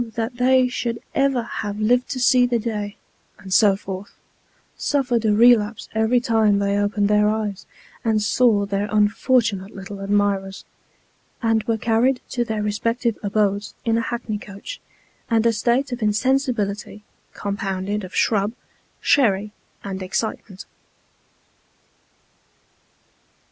that they should ever have lived to see the day and so forth ; suffered a relapse every time they opened their eyes and saw their unfortunate little admirers ; and were carried to their respective abodes in a hackney coach, and a state of insensibility, compounded of shrub, sherry, and excitement.